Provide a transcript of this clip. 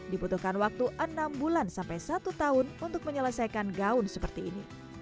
dibutuhkan waktu enam bulan sampai satu tahun untuk menyelesaikan gaun seperti ini